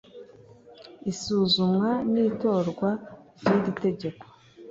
isuzumwa n itorwa by iri tegeko